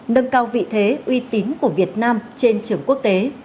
nâng cao vị thế uy tín của việt nam trên trường quốc tế